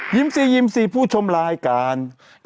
ยิ้มซียิ้มซีผู้ชมรายการ